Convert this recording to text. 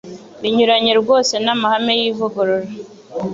binyuranye rwose n’amahame y’ivugurura